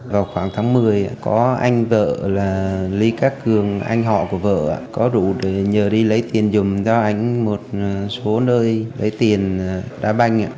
vào khoảng tháng một mươi có anh vợ là lý cát cường anh họ của vợ có rủ nhờ đi lấy tiền giùm cho anh một số nơi lấy tiền đá banh